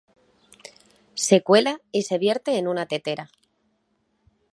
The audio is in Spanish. Se cuela y se vierte en una tetera.